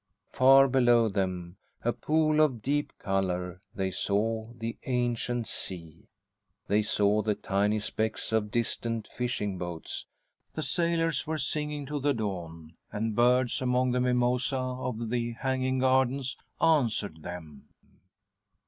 Far below them, a pool of deep colour, they saw the ancient sea. They saw the tiny specks of distant fishing boats. The sailors were singing to the dawn, and birds among the mimosa of the hanging gardens answered them.